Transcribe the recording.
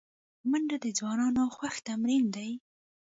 منډه د ځوانانو خوښ تمرین دی